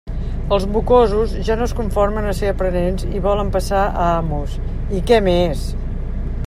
Els mocosos ja no es conformen a ser aprenents i volen passar a amos; i... què més?